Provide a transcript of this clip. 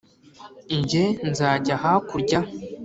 jye nzajya hakurya